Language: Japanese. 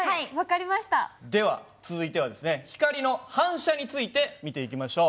では続いては光の反射について見ていきましょう。